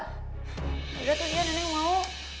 gak ada duitnya nenek mau